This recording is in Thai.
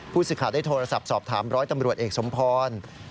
สิทธิ์ได้โทรศัพท์สอบถามร้อยตำรวจเอกสมพร